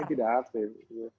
ini tidak aktif